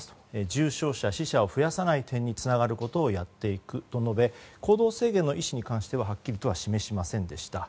重症者・死者を増やさない点につながることをやっていくと述べ行動制限の意思に関しては示しませんでした。